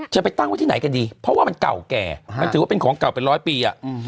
จะไปตั้งไว้ที่ไหนกันดีเพราะว่ามันเก่าแก่มันถือว่าเป็นของเก่าเป็นร้อยปี